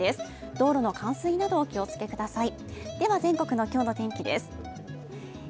道路の冠水などお気をつけください。